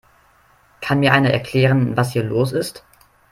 Kann mir einer erklären, was hier los ist?